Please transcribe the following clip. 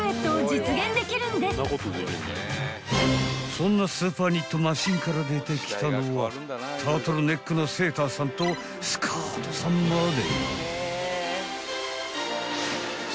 ［そんなスーパーニットマシンから出てきたのはタートルネックのセーターさんとスカートさんまで］